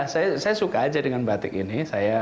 saya suka aja dengan batik ini